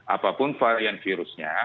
apapun varian virusnya